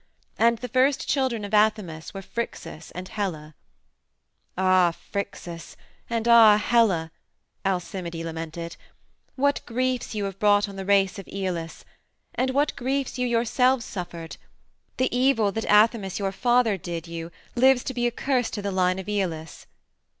And the first children of Athamas were Phrixus and Helle. "Ah, Phrixus and ah, Helle," Alcimide lamented, "what griefs you have brought on the race of Aeolus! And what griefs you yourselves suffered! The evil that Athamas, your father, did you lives to be a curse to the line of Aeolus!